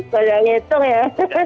banyaknya itu ya